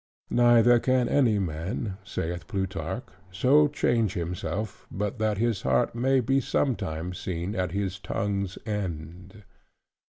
Neither can any man (saith Plutarch) so change himself, but that his heart may be sometimes seen at his tongue's end.